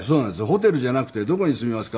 ホテルじゃなくてどこに住みますか？